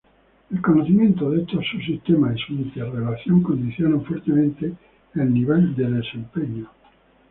El conocimiento de estos subsistemas y su interrelación condicionan fuertemente el nivel de desempeño.